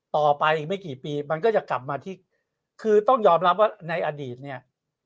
ต่อไปอีกไม่กี่ปีมันก็จะกลับมาที่คือต้องยอมรับว่าในอดีตเนี่ย